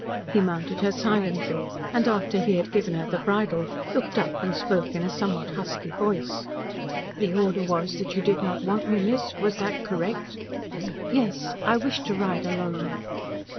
He mounted her silently, and after he had given her the bridle, looked up, and spoke in a somewhat husky voice: "The order was that you did not want me, miss? Was that correct?" "Yes, I wish to ride alone."